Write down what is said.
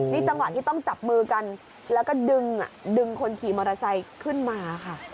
นี่จังหวะที่ต้องจับมือกันแล้วก็ดึงคนขี่มอเตอร์ไซค์ขึ้นมาค่ะ